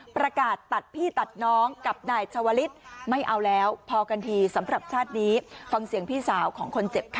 ประกาศตัดพี่ตัดน้องกับนายชาวลิศไม่เอาแล้วพอกันทีสำหรับชาตินี้ฟังเสียงพี่สาวของคนเจ็บค่ะ